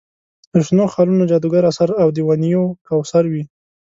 د شنو خالونو جادوګر اثر او د ونیو کوثر وي.